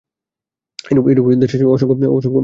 এইরূপ দেশাচার অসংখ্য এবং পরস্পরবিরোধী।